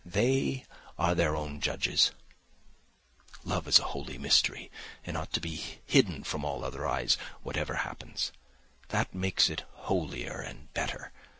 They are their own judges. Love is a holy mystery and ought to be hidden from all other eyes, whatever happens. That makes it holier and better.